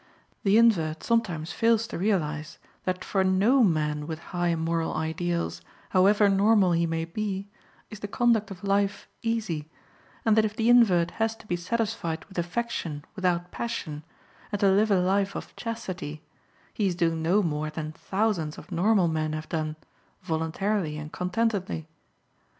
The invert sometimes fails to realize that for no man with high moral ideals, however normal he may be, is the conduct of life easy, and that if the invert has to be satisfied with affection without passion, and to live a life of chastity, he is doing no more than thousands of normal men have done, voluntarily and contentedly.